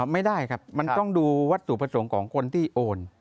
ไม่ได้ครับมันต้องดูวัตถุประสงค์ของคนที่โอน